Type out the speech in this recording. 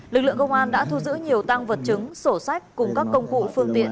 lực lượng công an đã thu giữ nhiều tăng vật chứng sổ sách cùng các công cụ phương tiện